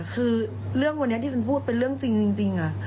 คือเรื่องวันนี้ที่ฉันพูดเป็นเรื่องจริง